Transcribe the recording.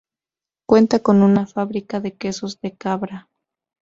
Cuenta con una fábrica de quesos de cabra.